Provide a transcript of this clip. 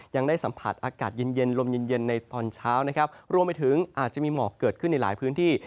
ยังได้สัมผัสอากาศเย็นเย็นลมเย็นเย็นในตอนเช้านะครับรวมไปถึงอาจจะมีหมอกเกิดขึ้นในหลายพื้นที่